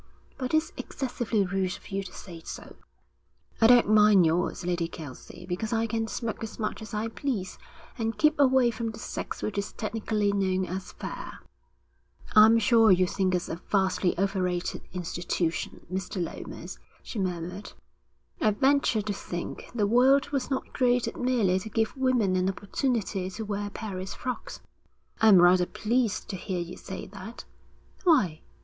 'But it's excessively rude of you to say so.' 'I don't mind yours, Lady Kelsey, because I can smoke as much as I please, and keep away from the sex which is technically known as fair.' Mrs. Crowley felt the remark was directed to her. 'I'm sure you think us a vastly overrated institution, Mr. Lomas,' she murmured. 'I venture to think the world was not created merely to give women an opportunity to wear Paris frocks.' 'I'm rather pleased to hear you say that.' 'Why?'